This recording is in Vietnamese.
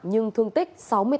nhưng thương tích sáu mươi tám